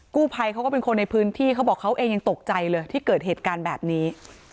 กู้ภัยเขาก็เป็นคนในพื้นที่เขาบอกเขาเองยังตกใจเลยที่เกิดเหตุการณ์แบบนี้